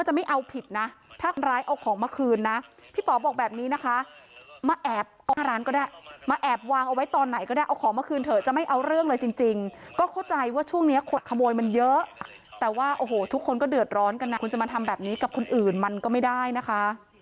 หน้าร้านก็ได้มาแอบวางเอาไว้ตอนไหนก็ได้เอาของมาคืนเถอะจะไม่เอาเรื่องเลยจริงจริงก็เข้าใจว่าช่วงเนี้ยคนขโมยมันเยอะแต่ว่าโอ้โหทุกคนก็เดือดร้อนกันน่ะคุณจะมาทำแบบนี้กับคนอื่นมันก็ไม่ได้นะคะ